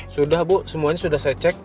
sudah bu semuanya sudah saya cek